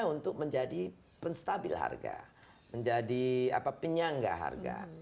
untuk menjadi penstabil harga menjadi penyangga harga